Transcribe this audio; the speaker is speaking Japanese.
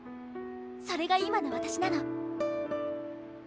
それが今の私なの。